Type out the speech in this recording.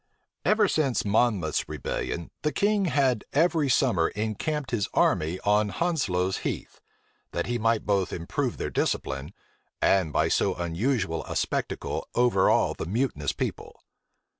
Ever since Monmouth's rebellion, the king had every summer encamped his army on Hounslow Heath, that he might both improve their discipline, and by so unusual a spectacle overawe the mutinous people.